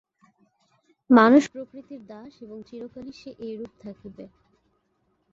মানুষ প্রকৃতির দাস এবং চিরকালই সে এইরূপ থাকিবে।